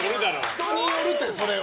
人によるって、それは。